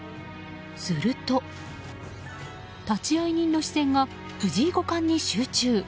すると立会人の視線が藤井五冠に集中。